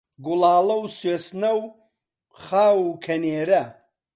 گوڵاڵە و سوێسنە و خاو و کەنێرە